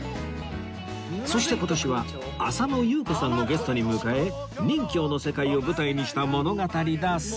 そして今年は浅野ゆう子さんをゲストに迎え任侠の世界を舞台にした物語だそうです